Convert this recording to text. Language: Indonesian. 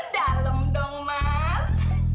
dalem dong mas